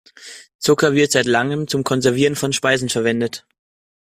Zucker wird seit langem zum Konservieren von Speisen verwendet.